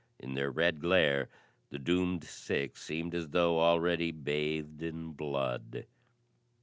In their red glare the doomed six seemed as though already bathed in blood.